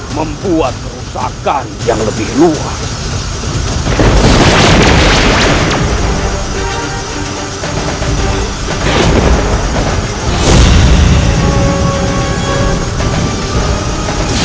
membuat kerusakan yang lebih luas